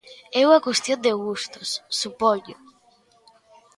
É unha cuestión de gustos, supoño.